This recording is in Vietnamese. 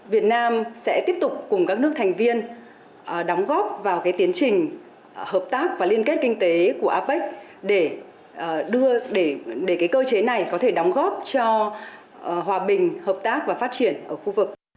việt nam sẽ tiếp tục cùng các nước thành viên đóng góp vào tiến trình hợp tác và liên kết kinh tế của apec để cơ chế này có thể đóng góp cho hòa bình hợp tác và phát triển ở khu vực